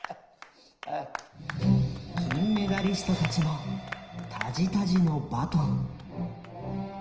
金メダリストたちもタジタジのバトン。